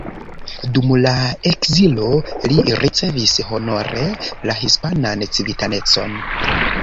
Dum la ekzilo li ricevis honore la hispanan civitanecon.